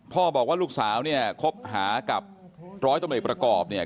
บอกว่าลูกสาวเนี่ยคบหากับร้อยตำรวจประกอบเนี่ย